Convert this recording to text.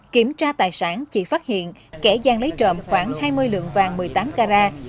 kiểm tra tài sản chị phát hiện kẻ gian lấy trộm khoảng hai mươi lượng vàng một mươi tám carat